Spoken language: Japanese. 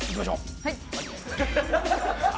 はい。